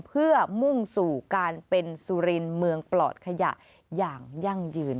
เพื่อมุ่งสู่การเป็นสุรินทร์เมืองปลอดขยะอย่างยั่งยืน